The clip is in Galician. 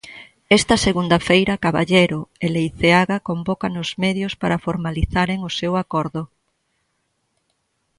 Esta segunda feira Caballero e Leiceaga convocan os medios para formalizaren o seu acordo.